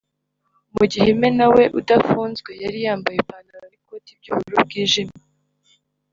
mu gihe Imena we udafunzwe yari yambaye ipantalo n’ikoti by’ubururu bwijimye